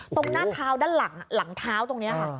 ตรงหน้าเท้าด้านหลังหลังเท้าตรงนี้ค่ะ